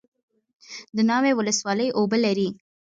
د ناوې ولسوالۍ اوبه لري